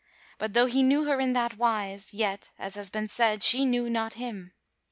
But though he knew her in that wise, yet, as has been said, she knew not him.